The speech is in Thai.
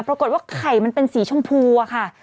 ปรากฏว่าไข่มันเป็นสีชมพูอะค่ะ